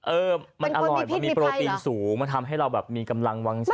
เออมันอร่อยเพราะมีโปรตีนสูงทำให้เรามีกำลังวางชะ